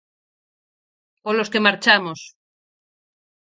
Polos que marchamos.